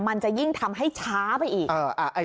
มันจะยิ่งทำให้ช้าไปอีก